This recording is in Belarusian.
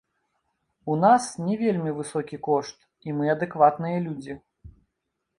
У нас не вельмі высокі кошт, і мы адэкватныя людзі.